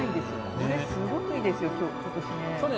すごくいいですよ今年ね。